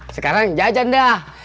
sekarang jajan dah